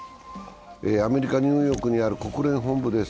アメリカ・ニューヨークにある国連本部です。